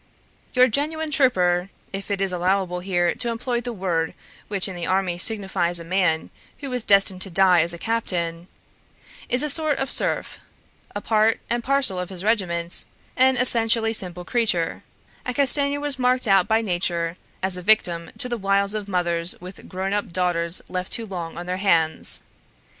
Your genuine trooper (if it is allowable here to employ the word which in the army signifies a man who is destined to die as a captain) is a sort of serf, a part and parcel of his regiment, an essentially simple creature, and Castanier was marked out by nature as a victim to the wiles of mothers with grown up daughters left too long on their hands.